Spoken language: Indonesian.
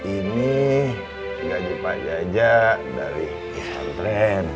ini gaji pak jajak dari islam trend